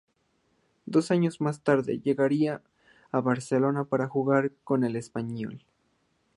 Dos años más tarde llegaría a Barcelona para jugar con el Espanyol.